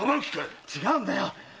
〔違うんだよ！